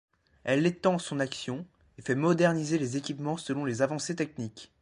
Elle étend son action, et fait moderniser les équipements selon les avancées techniques.